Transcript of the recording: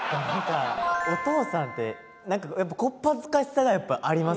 お父さんって何かやっぱ小っ恥ずかしさがやっぱありますよね。